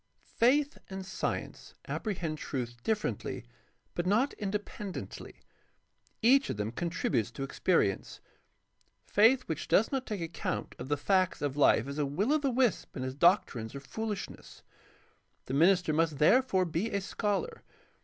— Faith and science apprehend truth differently but not independently. Each of them contributes to experience. Faith which does not take account of the facts of life is a will o' the wisp and its doctrines are foohshness. The minister must therefore be a scholar.